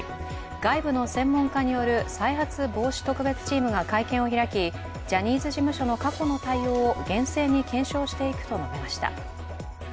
外部の専門家による再発防止特別チームが会見を開き、ジャニーズ事務所の過去の対応を厳正に検証していくと述べました。